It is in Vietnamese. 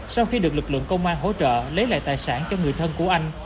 sau khi được lực lượng công an hỗ trợ lấy lại tài sản cho người thân của anh